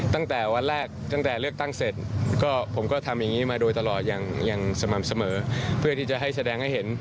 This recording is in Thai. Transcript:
ตั้งแต่วันแรกตั้งแต่เลือกตั้งเสร็จก็ผมก็ทำอย่างนี้มาโดยตลอดอย่างสม่ำเสมอเพื่อที่จะให้แสดงให้เห็น